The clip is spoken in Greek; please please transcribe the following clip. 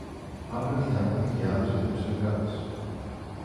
Αύριο θα έχουμε και άλλους τέτοιους εργάτες